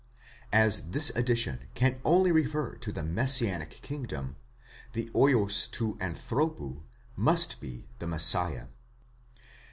As this addi tion can only refer to the messianic kingdom, the vids rod ἀνθρώπου must be the Messiah.